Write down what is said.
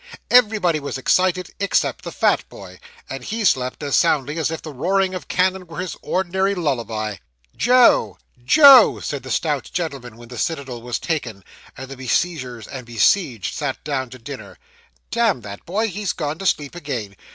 Everybody was excited, except the fat boy, and he slept as soundly as if the roaring of cannon were his ordinary lullaby. 'Joe, Joe!' said the stout gentleman, when the citadel was taken, and the besiegers and besieged sat down to dinner. 'Damn that boy, he's gone to sleep again.